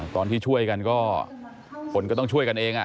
ตอนที่ช่วยกันก็คนก็ต้องช่วยกันเอง